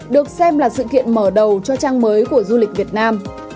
được xem là sự kiện mở đầu cho trang mới của du lịch việt nam